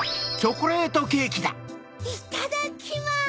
いただきます！